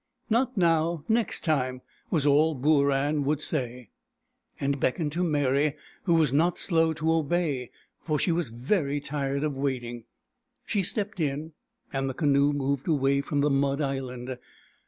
" Not now — next time !" was all Booran would BOORAN, THE PELICAN 97 say ; and he beckoned to Meri, who was not slow to obey, for she was very tired of waiting. She stepped in, and the canoe moved away from the mud island.